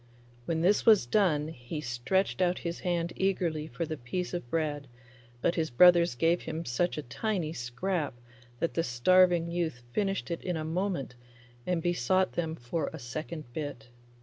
When this was done he stretched out his hand eagerly for the piece of bread, but his brothers gave him such a tiny scrap that the starving youth finished it in a moment and besought them for a second bit.